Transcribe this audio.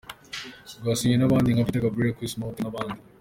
Rwasinywe n'abandi nka Peter Gabriel, Chris Martin, n'abandi.